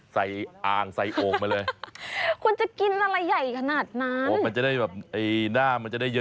ใส่อะไรคุณชม